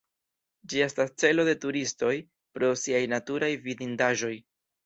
Ĝi estas celo de turistoj pro siaj naturaj vidindaĵoj.